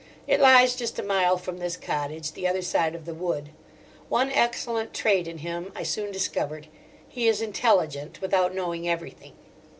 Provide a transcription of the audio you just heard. It lies just a mile from this cottage, the other side of the wood. One excellent trait in him I soon discovered—he is intelligent without knowing everything.